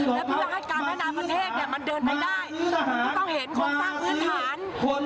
และเพื่อให้การแนะนำประเทศมันเดินไปได้มันต้องเห็นโครงสร้างพื้นฐาน